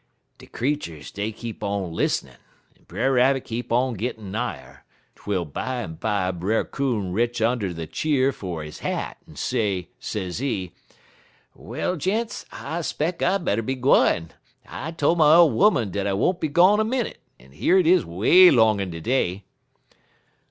_' "De creeturs dey keep on lis'nin', en Brer Rabbit keep on gittin' nigher, twel bimeby Brer 'Coon retch und' de cheer fer he hat, en say, sezee: "'Well, gents, I 'speck I better be gwine. I tole my ole 'oman dat I won't be gone a minnit, en yer 't is 'way 'long in de day.'